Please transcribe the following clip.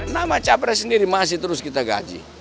nama capres sendiri masih terus kita gaji